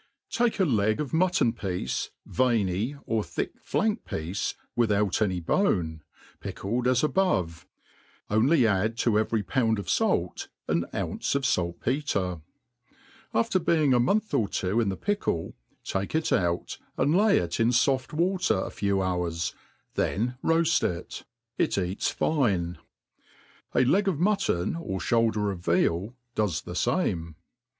Take a leg of mutton piece, veiny' or thick flank piece. Without any bone, pickled as above, only add to every pound of fait an ounce of falt petre; after being a month or two in the pickle, take it out, and lay it in fofc water a few hours, then roafl it ; it eats fine* A leg of mutton or fhoulder of veal does the fdme.